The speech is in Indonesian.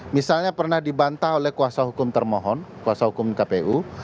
misalnya pernah dibantah oleh kuasa hukum termohon kuasa hukum kpu